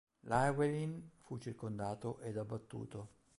Llywelyn fu circondato ed abbattuto.